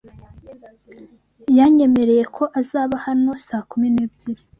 Yanyemereye ko azaba hano saa kumi n'ebyiri